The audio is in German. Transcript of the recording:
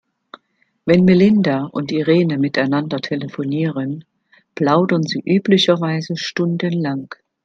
Wenn Melinda und Irene miteinander telefonieren, plaudern sie üblicherweise stundenlang.